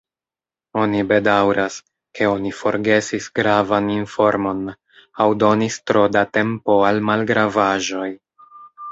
Oni bedaŭras, ke oni forgesis gravan informon, aŭ donis tro da tempo al malgravaĵoj.